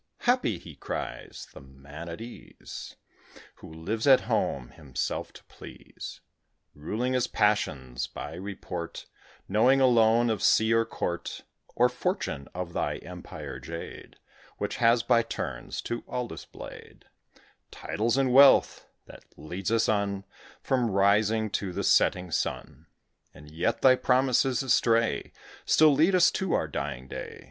"Happy," he cries, "the man at ease, Who lives at home himself to please; Ruling his passions, by report Knowing alone of sea or Court, Or Fortune, of thy empire, Jade, Which has by turns to all displayed Titles and wealth, that lead us on From rising to the setting sun; And yet thy promises astray Still lead us to our dying day.